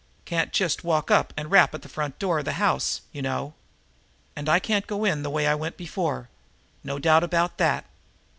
Can't just walk up and rap at the front door of the house, you know. And I can't go in the way I went before. No doubt about that.